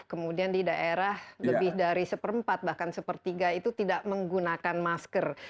kemudian di daerah lebih dari seperempat bahkan sepertiga itu tidak menggunakan masker